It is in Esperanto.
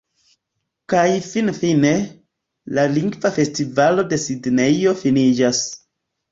Kaj finfine, la Lingva Festivalo de Sidnejo finiĝas.